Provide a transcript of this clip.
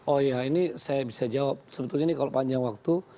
oh ya ini saya bisa jawab sebetulnya ini kalau panjang waktu